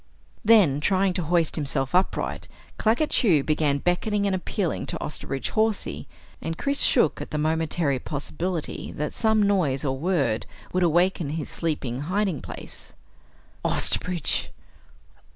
Then, trying to hoist himself upright, Claggett Chew began beckoning and appealing to Osterbridge Hawsey, and Chris shook at the momentary possibility that some noise or word would awaken his sleeping hiding place. "Osterbridge!